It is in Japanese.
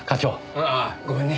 ん？ああごめんね。